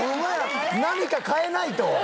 何か変えないと！